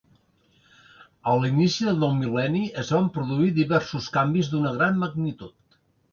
A l'inici del nou mil·leni es van produir diversos canvis d'una gran magnitud.